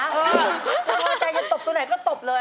ถิ่งละจังยังตบตัวไหนก็ตบเลย